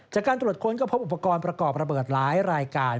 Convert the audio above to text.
จากการตรวจค้นก็พบอุปกรณ์ประกอบระเบิดหลายรายการ